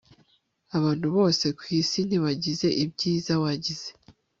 abantu bose kwisi ntibagize ibyiza wagize